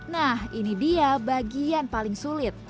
nah ini dia bagian paling sulit